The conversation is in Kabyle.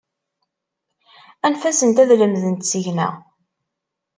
Anef-asent ad lemdent seg-neɣ.